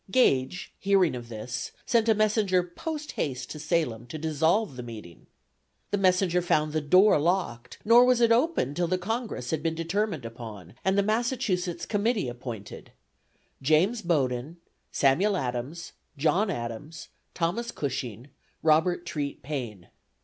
Gage, hearing of this, sent a messenger post haste to Salem to dissolve the meeting. The messenger found the door locked, nor was it opened till the congress had been determined upon, and the Massachusetts committee appointed: James Bowdoin, Samuel Adams, John Adams, Thomas Cushing, Robert Treat Paine.